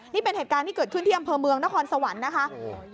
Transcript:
นี่เป็นเหตุการณ์ที่เกิดขึ้นที่อำเภอเมืองนครสวรรค์นะคะ